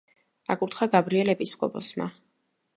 აკურთხა გაბრიელ ეპისკოპოსმა.